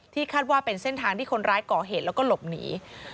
คาดว่าเป็นเส้นทางที่คนร้ายก่อเหตุแล้วก็หลบหนี